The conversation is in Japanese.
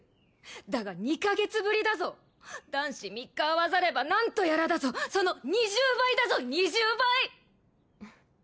だが２カ月ぶりだぞ男子三日会わざれば何とやらだぞその２０倍だぞ２０倍！